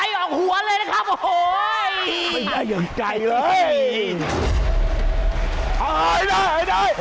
เหงื่อไหลออกหัวเลยนะครับ